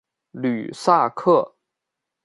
吕萨克。